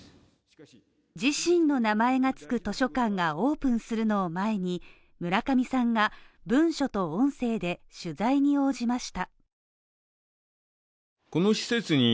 自身の名前がつく図書館がオープンするのを前に村上さんが、文書と音声で取材に応じました。